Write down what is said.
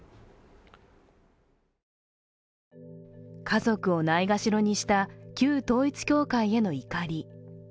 家族をないがしろにした旧統一教会への怒り。